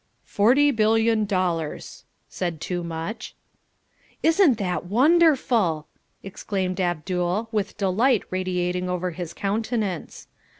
"Forty billion dollars," said Toomuch. "Isn't that wonderful!" exclaimed Abdul, with delight radiating over his countenance.